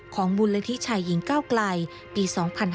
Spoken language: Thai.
ของมูลละทิชัยหญิงเก้าไกลปี๒๕๕๒